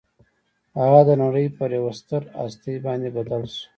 هغه د نړۍ پر یوه ستره هستي باندې بدل شو